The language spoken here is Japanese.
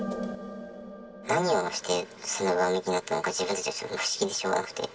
何をしてその上向きになったのか、自分たちは不思議でしょうがなくて。